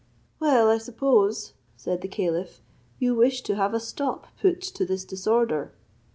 "Well, I suppose," said the caliph, "you wish to have a stop put to this disorder?"